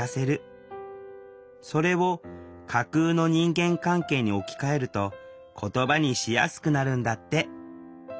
それを架空の人間関係に置き換えると言葉にしやすくなるんだって！